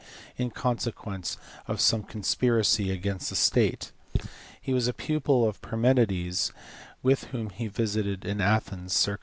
in consequence of some conspiracy against tfte state. He was a pupil of Parmenides, with whom he visited Athens, circ.